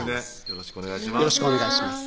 よろしくお願いします